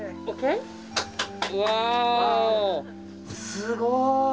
すごい！